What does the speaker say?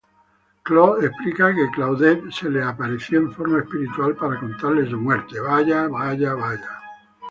Claude explica que Claudette se les apareció en forma espiritual para contarles su muerte.